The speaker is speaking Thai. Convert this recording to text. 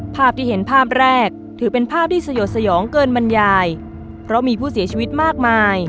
ภาพที่เห็นภาพแรกถือเป็นภาพที่สยดสยองเกินบรรยายเพราะมีผู้เสียชีวิตมากมาย